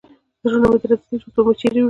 زړونه مو درزېدل چې اوس به مو چیرې وړي.